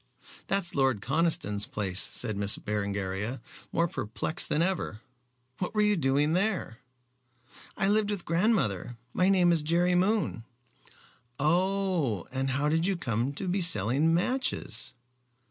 "That's Lord Conniston's place," said Miss Berengaria, more perplexed than ever. "What were you doing there?" "I lived with grandmother. My name is Jerry Moon." "Oh! And how did you come to be selling matches?"